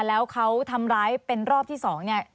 แล้วเขาทำร้ายเป็นรอบที่๒เนี่ย